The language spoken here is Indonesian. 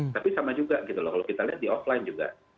tapi sama juga gitu loh kalau kita lihat di offline juga